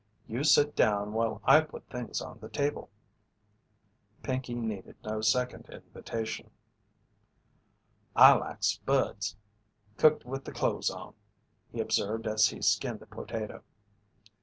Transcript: You sit down while I put things on the table." Pinkey needed no second invitation. "I like spuds cooked with the clothes on," he observed as he skinned a potato.